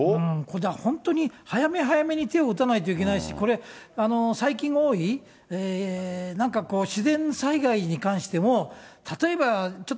これ、だから、本当に早め早めに手を打たないといけないし、これ、最近多い、なんかこう、自然災害に関しても、例えばちょっ